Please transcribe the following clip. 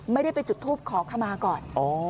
ไม่ได้ไปจุดทูปขอขมาก่อน